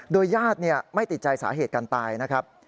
โดยญาติไม่ติดใจสาเหตุการตายนะครับ